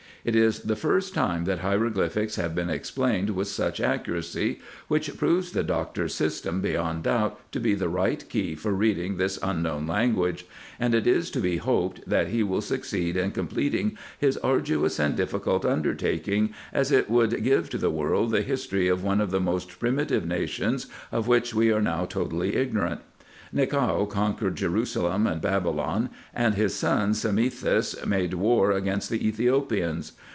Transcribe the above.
It is the first time that hiero glyphics have been explained with such accuracy, which proves the doctor's system beyond doubt to be the right key for reading this unknown language ; and it is to be hoped, that he will succeed in completing his arduous and difficult undertaking, as it would give to the world the history of one of the most primitive nations, of which we are now totally ignorant. Nichao conquered Jerusalem and Babylon, and his son Psammethis made war against the Ethiopians.